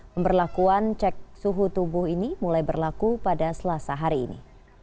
pemberlakuan cek suhu tubuh ini mulai berlaku pada selasa hari ini